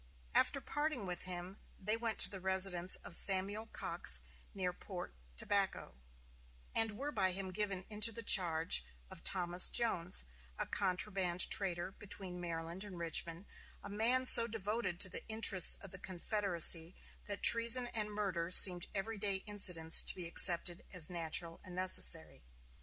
After parting with him they went to the residence of Samuel Cox near Port Tobacco, and were by him given into the charge of Thomas Jones, a contraband trader between Maryland and Richmond, a man so devoted to the interests of the Confederacy that treason and murder seemed every day incidents to be accepted as natural and necessary.